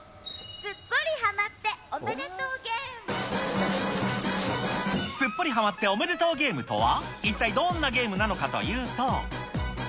すっぽりハマっておめでとうすっぽりハマっておめでとうゲーム！とは、一体どんなゲームなのかというと。